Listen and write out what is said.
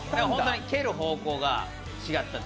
蹴る方向が違った。